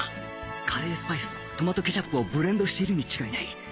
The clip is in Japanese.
カレースパイスとトマトケチャップをブレンドしているに違いない